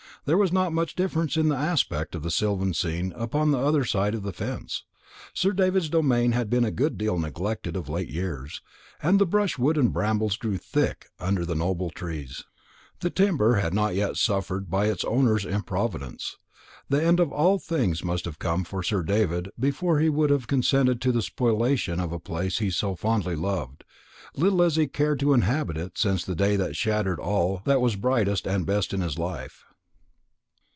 There was not much difference in the aspect of the sylvan scene upon the other side of the fence. Sir David's domain had been a good deal neglected of late years, and the brushwood and brambles grew thick under the noble old trees. The timber had not yet suffered by its owner's improvidence. The end of all things must have come for Sir David before he would have consented to the spoliation of a place he fondly loved, little as he had cared to inhabit it since the day that shattered all that was brightest and best in his life.